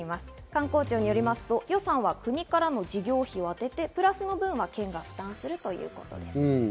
観光庁によりますと、予算は国からの事業費を充てて、プラスの分は県が負担するということになります。